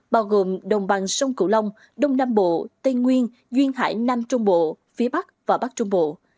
bao gồm đồng bằng sông cửu long đông nam bộ tây nguyên duyên hải nam trung bộ phía bắc và bắc trung bộ